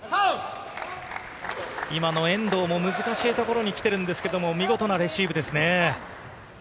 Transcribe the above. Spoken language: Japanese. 今の遠藤も難しい所に来てるんですけど、見事なレシーブですね。